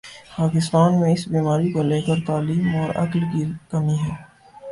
پاکستان میں اس بیماری کو لے کر تعلیم اور عقل کی کمی ہے